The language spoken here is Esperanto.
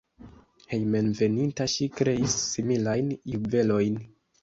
Hejmenveninta ŝi kreis similajn juvelojn.